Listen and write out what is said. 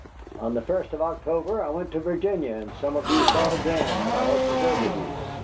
On the first of October I went to Virginia, and some of you thought again that I had deserted you.